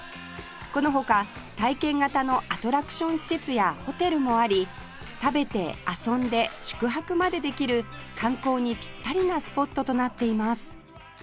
この他体験型のアトラクション施設やホテルもあり食べて遊んで宿泊までできる観光にピッタリなスポットとなっています